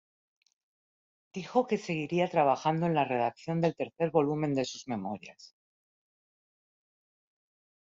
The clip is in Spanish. Dijo que seguiría trabajando en la redacción del tercer volumen de sus memorias.